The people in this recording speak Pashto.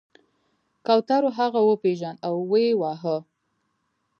کوترو هغه وپیژند او ویې واهه.